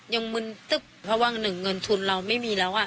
มึนตึ๊บเพราะว่าหนึ่งเงินทุนเราไม่มีแล้ว